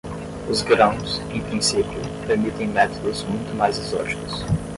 Os grãos, em princípio, permitem métodos muito mais exóticos.